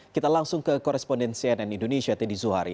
kita langsung ke koresponden cnn indonesia teddy zuhari